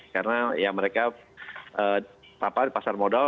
karena ya mereka apa di pasar modal